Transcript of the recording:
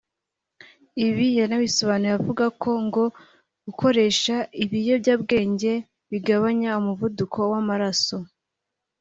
Ibi yabisobanuye avuga ko ngo gukoresha ibiyobyabwenge bigabanya umuvuduko w’amaraso